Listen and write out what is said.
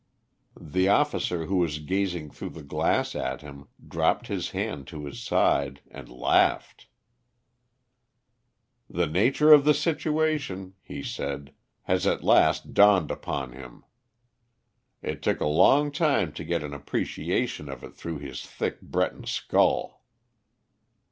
The officer who was gazing through the glass at him dropped his hand to his side and laughed. "The nature of the situation," he said, "has at last dawned upon him. It took a long time to get an appreciation of it through his thick Breton skull."